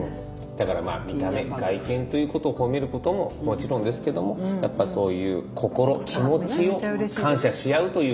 だからまあ外見ということを褒めることももちろんですけどもやっぱそういう心気持ちを感謝し合うということが。